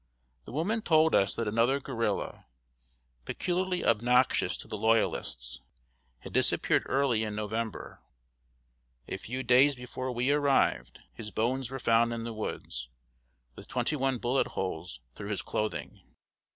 The woman told us that another guerrilla, peculiarly obnoxious to the Loyalists, had disappeared early in November. A few days before we arrived, his bones were found in the woods, with twenty one bullet holes through his clothing.